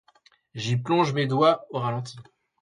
J'y plonge mes doigts au ralenti.